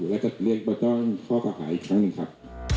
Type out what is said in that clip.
แล้วก็เรียกว่าต้องข้อประหลาดอีกครั้งหนึ่งครับ